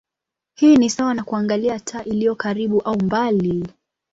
Hii ni sawa na kuangalia taa iliyo karibu au mbali.